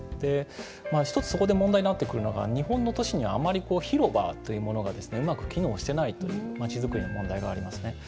１つ、そこで問題になってくるのが日本の都市では広場というものがうまく機能していないというまちづくりの問題がありますね。